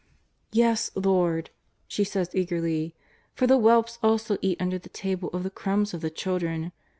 " Yes, Lord," she says eagerly, " for the whelps also eat under the table of the crumbs of the children.